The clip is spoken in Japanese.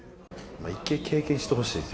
１回経験してほしいです